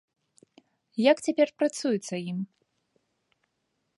Як цяпер працуецца ім?